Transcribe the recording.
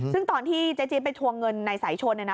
ซึ่งตอนที่เจ๊จี๊ดไปทวงเงินในสายชน